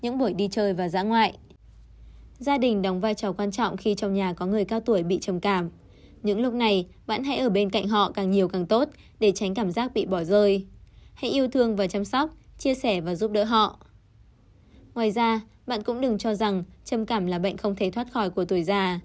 ngoài ra bạn cũng đừng cho rằng trầm cảm là bệnh không thể thoát khỏi của tuổi già